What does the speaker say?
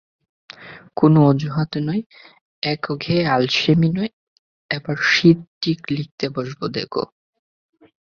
কোনো অজুহাত নয়, একঘেয়ে আলসেমি নয়, এবার শীতে ঠিক লিখতে বসব, দেখো।